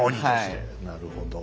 なるほど。